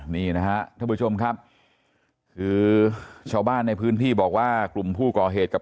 นี่นะฮะท่านผู้ชมครับคือชาวบ้านในพื้นที่บอกว่ากลุ่มผู้ก่อเหตุกับ